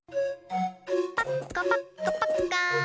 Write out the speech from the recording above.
パッカパッカパッカ。